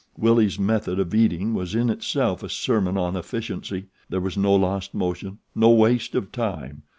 Willie's method of eating was in itself a sermon on efficiency there was no lost motion no waste of time.